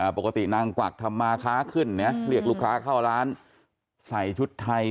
ปกตินางกวักทำมาค้าขึ้นเรียกลูกค้าเข้าร้านใส่ชุดไทย